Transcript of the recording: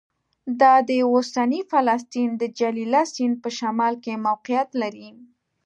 دا د اوسني فلسطین د جلیلیه سیند په شمال کې موقعیت لري